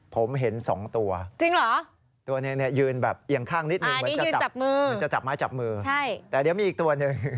ผมเห็นสองตัวตัวนี้ยืนแบบเอียงข้างนิดหนึ่งเหมือนจะจับม้าจับมือแต่เดี๋ยวมีอีกตัวหนึ่ง